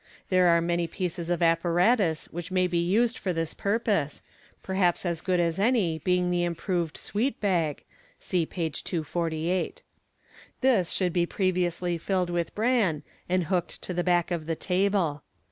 There are many pieces of apparatus which may be used for this purpose, perhaps as good as any being the improved sweet«bag (see page 248) . This should be previously filled with bran, and hooked to the back of the table.